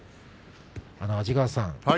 安治川さん